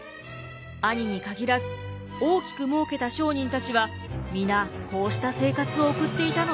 兄に限らず大きくもうけた商人たちは皆こうした生活を送っていたのです。